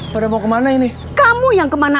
pada mau kemana ini kamu yang kemana